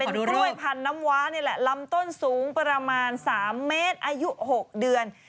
กล้วยพันน้ำว้านี่แหละลำต้นสูงประมาณ๓เมตรอายุ๖เดือน